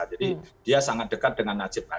jadi dia sangat dekat dengan nasibnya